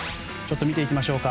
見ていきましょう。